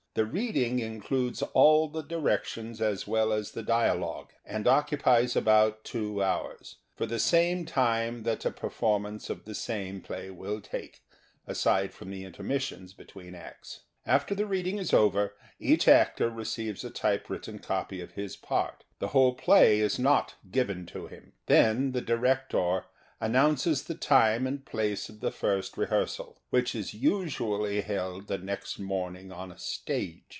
The reading includes all the directions as well as the dialogue, and occupies about two hours, or the same time that a per formance of the same play will take, aside from the intermissions between acts. After the reading is over each actor receives a typewritten copy of his part. The whole play is not given to him. Then the director announces the time and place of the first rehearsal, which is usually held the next morning on a stage.